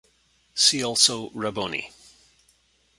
See also Rabboni.